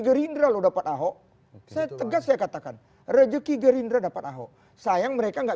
gerindra loh dapat ahok saya tegas saya katakan rezeki gerindra dapat ahok sayang mereka enggak